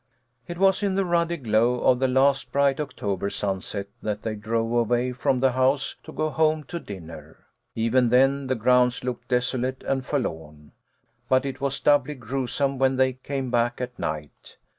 It was in the ruddy glow of the last bright Octo A HALLOWE'EN PARTY. 149 her sunset that they drove away from the house to go home to dinner. Even then the grounds looked desolate and forlorn ; but it was doubly grue some when they came back at night.